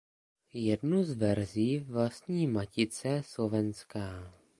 Jednu z verzí vlastní Matice slovenská.